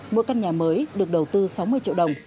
mỗi căn nhà mới được đầu tư sáu mươi triệu đồng